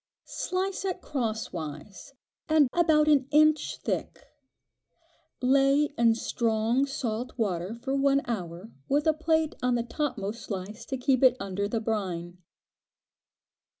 Slice it crosswise, and about an inch thick; lay in strong salt water for one hour with a plate on the topmost slice to keep it under the brine.